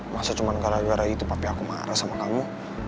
masa cuma gara gara itu tapi aku marah sama kamu